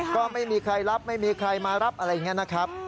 ก็ไม่มีใครรับไม่มีใครมารับอะไรอย่างนี้นะครับ